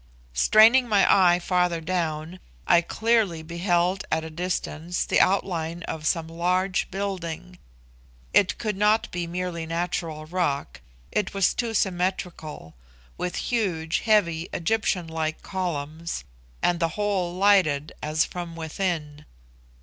Straining my eye farther down, I clearly beheld at a distance the outline of some large building. It could not be mere natural rock, it was too symmetrical, with huge heavy Egyptian like columns, and the whole lighted as from within.